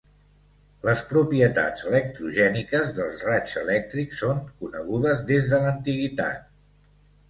Les propietats electrogèniques dels raigs elèctrics són conegudes des de l'antiguitat.